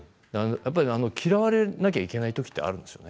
嫌われなきゃいけない時ってあるんですよね。